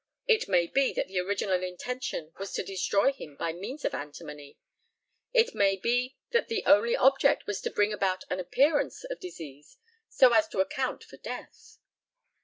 It may be that the original intention was to destroy him by means of antimony it may be that the only object was to bring about an appearance of disease so as to account for death.